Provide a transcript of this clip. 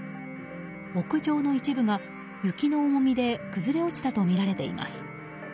屋上の一部が雪の重みで崩れ落ちたとみられています。